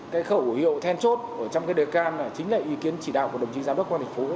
cái khẩu hiệu then chốt ở trong cái đề can chính là ý kiến chỉ đạo của đồng chí giám đốc quan thành phố